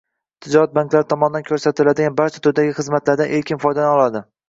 tijorat banklari tomonidan ko‘rsatiladigan barcha turdagi xizmatlardan erkin foydalana oladi.